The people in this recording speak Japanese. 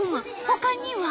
ほかには？